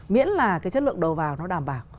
miễn là cái chất lượng đầu vào nó đảm bảo